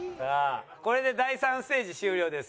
これで第３ステージ終了です。